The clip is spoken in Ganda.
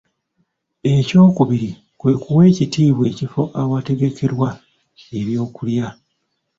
Ekyokubiri kwe kuwa ekitiibwa ekifo ewategekerwa ebyokulya.